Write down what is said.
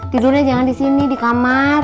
tidurnya jangan disini di kamar